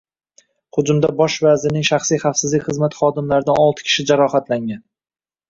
Hujumda bosh vazirning shaxsiy xavfsizlik xizmati xodimlaridan olti kishi jarohatlangan